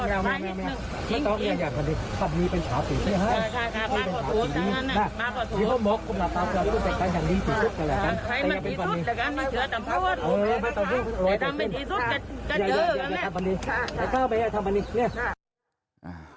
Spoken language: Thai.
ครอบครัวญาติพี่น้องเขาก็โกรธแค้นมาตะโกนด่ากลุ่มผู้ต้องหาที่ตำรวจคุมตัวมาทำแผนนะฮะ